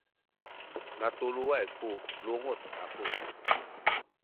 natuluway ku lunguc aku